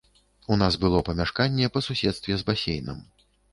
У нас было памяшканне па суседстве з басейнам.